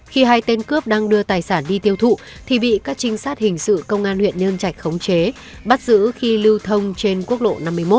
khi hai tên cướp đang đưa tài sản đi tiêu thụ thì bị các trinh sát hình sự công an huyện nhân trạch khống chế bắt giữ khi lưu thông trên quốc lộ năm mươi một